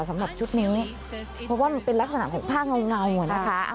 สำหรับชุดนี้เพราะว่ามันเป็นลักษณะของผ้าเงาอ่ะนะคะ